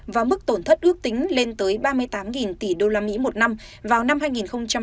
và mức tổn thất ước tính lên tới ba mươi tám tỷ usd một năm vào năm hai nghìn hai mươi